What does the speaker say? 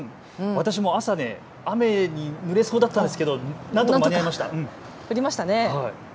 私も朝、雨にぬれそうだったんですけどなんとか間に合いました。